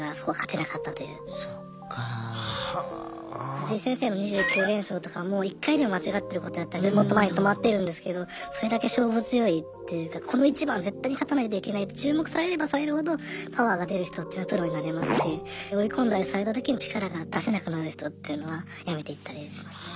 藤井先生の２９連勝とかも１回でも間違ってることやったらもっと前に止まってるんですけどそれだけ勝負強いっていうかこの一番は絶対に勝たないといけないって注目されればされるほどパワーが出る人っていうのはプロになれますし追い込んだりされた時に力が出せなくなる人っていうのは辞めていったりしますね。